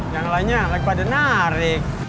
yang lainnya pada narik